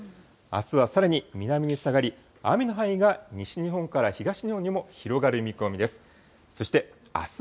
あすはさらに、南に下がり、雨の範囲が西日本から東日本にも広がる見込みです。